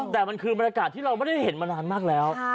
แต่มันคือบรรยากาศที่เราไม่ได้เห็นมานานมากแล้ว